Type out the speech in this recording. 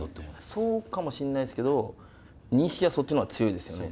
そうかもしれないですけど認識はそっちの方が強いですよね